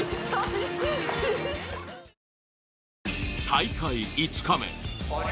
大会５日目。